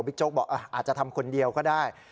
โจ๊กบอกอาจจะทำคนเดียวก็ได้